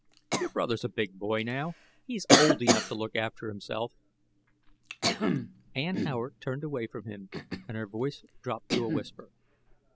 Your brother's a big boy now; he's old enough to look after himself." Ann Howard turned away from him and her voice dropped to a whisper.